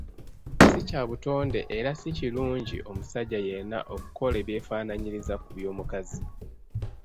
Si kya butonde era si kilungi omusajja yenna okukola ebyefaananyiriza ku byomukazi.